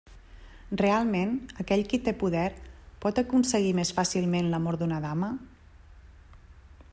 Realment, aquell qui té poder pot aconseguir més fàcilment l'amor d'una dama?